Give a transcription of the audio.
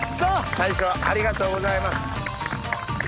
大将ありがとうございます。